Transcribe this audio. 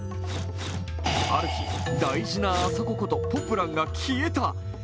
ある日、大事なアソコことポプランが突然消えた。